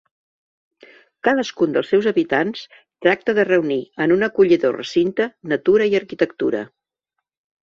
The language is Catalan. Cadascun dels seus habitants tracta de reunir, en un acollidor recinte, natura i arquitectura.